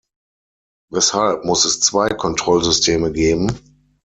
Weshalb muss es zwei Kontrollsysteme geben?